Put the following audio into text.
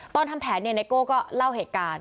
ตอนทำแผนนายโกก็เล่าเหตุการณ์